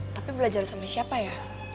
tapi belajar sama siapa ya